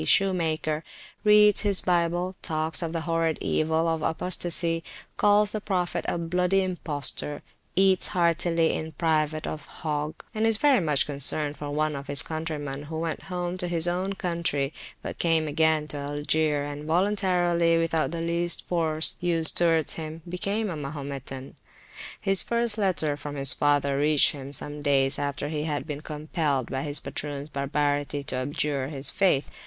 shoemaker, reads his bible, talks of the horrid evil of apostacy, calls the Prophet a bloody imposter, eats heartily in private of hog, and is very much concerned for one of his countrymen who went home to his own country, but came again to Algier, and voluntarily, without the least force used towards him, became a Mahometan. His first letter from his father reached him some days after he had been compelled by his patroons barbarity to abjure his faith.